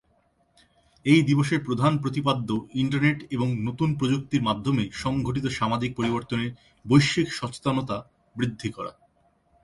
এই দিবসের প্রধান প্রতিপাদ্য ইন্টারনেট এবং নতুন প্রযুক্তির মাধ্যমে সঙ্ঘটিত সামাজিক পরিবর্তনের বৈশ্বিক সচেতনতা বৃদ্ধি করা।